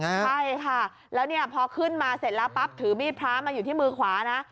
ใช่ค่ะแล้วเนี่ยพอขึ้นมาเสร็จแล้วปั๊บถือมีดพระมาอยู่ที่มือขวานะ